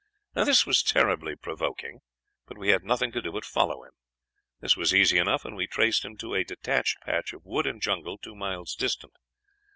"This was terribly provoking, but we had nothing to do but follow him. This was easy enough, and we traced him to a detached patch of wood and jungle, two miles distant.